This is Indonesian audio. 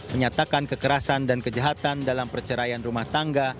menyatakan kekerasan dan kejahatan dalam perceraian rumah tangga